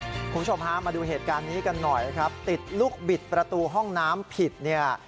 คุณผู้ชมฮะมาดูเหตุการณ์นี้กันหน่อยนะครับติดลูกบิดประตูห้องน้ำผิดเนี่ย